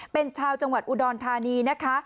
เป็นชาวจังหวัดอุดรธานีนะคะ